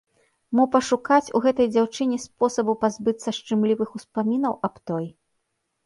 Мо пашукаць у гэтай дзяўчыне спосабу пазбыцца шчымлівых успамінаў аб той.